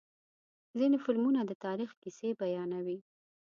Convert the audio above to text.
ځینې فلمونه د تاریخ کیسې بیانوي.